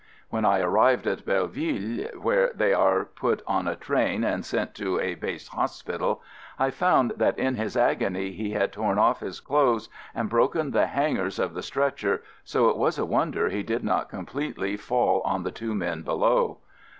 When I arrived at Belleville, where they are put on a train and sent to a Base Hospital, I found that in his agony he had torn off his clothes and broken the hangers of the stretcher, so it was a wonder he did not completely fall on the two men below.